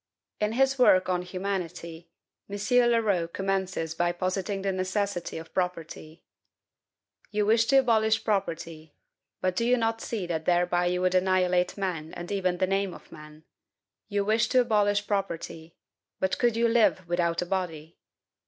In his work on "Humanity," M. Leroux commences by positing the necessity of property: "You wish to abolish property; but do you not see that thereby you would annihilate man and even the name of man?... You wish to abolish property; but could you live without a body?